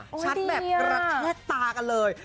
ชัดแบบแทรกตากันเลย